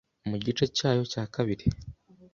Mu gice cyayo cya kabiri